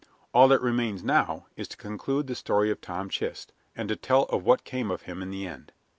All that remains now is to conclude the story of Tom Chist, and to tell of what came of him in the end.